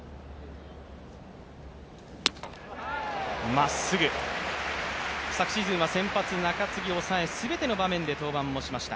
まっすぐ、昨シーズンは先発、中継ぎ、抑え全ての場面で登板もしました。